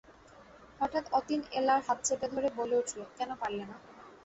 হঠাৎ অতীন এলার হাত চেপে ধরে বলে উঠল, কেন পারলে না?